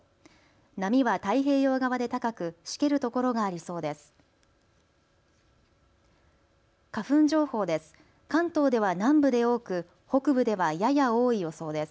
波は太平洋側で高くしけるところがありそうです。